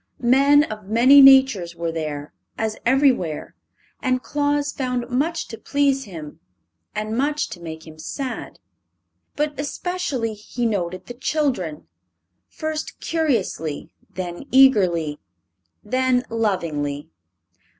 Men of many natures were there, as everywhere, and Claus found much to please him and much to make him sad. But especially he noted the children first curiously, then eagerly, then lovingly.